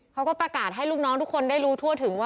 เขาก็ประกาศให้ลูกน้องทุกคนได้รู้ทั่วถึงว่า